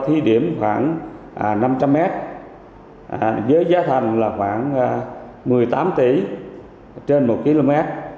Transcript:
ý điểm khoảng năm trăm linh mét với giá thành là khoảng một mươi tám tỷ trên một km